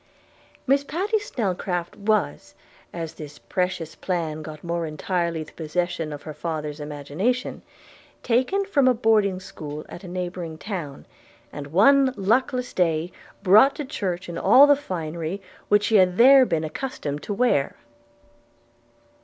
Miss Patty Snelcraft was, as this precious plan got more entirely the possession of her father's imagination, taken from a boarding school at a neighbouring town, and one luckless day brought to church in all the finery which she had there been accustomed to wear.